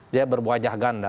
dia berwajah ganda